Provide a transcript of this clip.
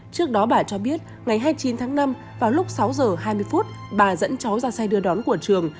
trước đó bà cho biết ngày hai mươi chín tháng năm vào lúc sáu giờ hai mươi phút bà dẫn cháu ra xe đưa đón của trường